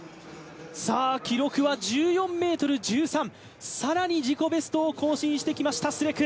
記録は１４ｍ１３、更に自己ベストを更新してきましたスレク。